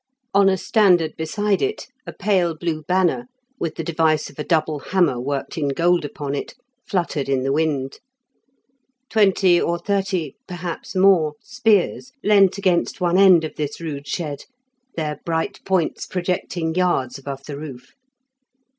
On a standard beside it, a pale blue banner, with the device of a double hammer worked in gold upon it, fluttered in the wind. Twenty or thirty, perhaps more, spears leant against one end of this rude shed, their bright points projecting yards above the roof.